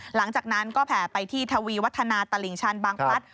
หลังจากนั้นก็แผ่ไปที่ทวีวัฒนาตลิ่งชันบางพลัด